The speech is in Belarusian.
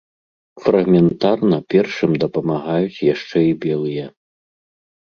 Фрагментарна першым дапамагаюць яшчэ і белыя.